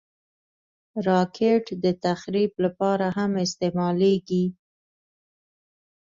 راکټ د تخریب لپاره هم استعمالېږي